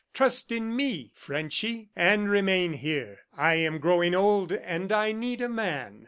Trust in me, Frenchy, and remain here! I am growing old, and I need a man."